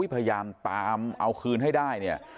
พยายามตามเอาคืนให้ได้เนี่ย